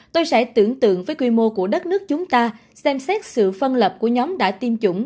tôi sẽ tưởng tượng với quy mô của đất nước chúng ta xem xét sự phân lập của nhóm đã tiêm chủng